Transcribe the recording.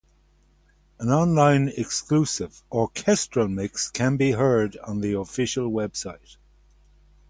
An online exclusive "orchestral" mix can be heard on the Official website.